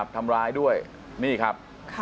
ทำร้ายด้วยนี่ครับ